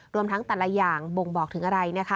รวมทั้งแต่ละอย่างบ่งบอกถึงอะไรนะคะ